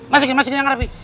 masukin masukin yang rapi